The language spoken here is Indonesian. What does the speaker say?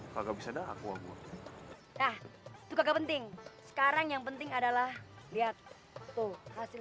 kagak bisa dakwa gua ah itu kagak penting sekarang yang penting adalah lihat tuh hasil